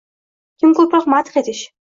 kim ko‘proq madh etish